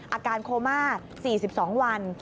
อาการโคม่า๔๒วัน